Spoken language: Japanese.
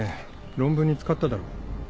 論文に使っただろ。